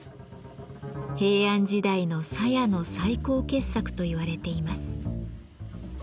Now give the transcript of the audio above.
平安時代の鞘の最高傑作と言われています。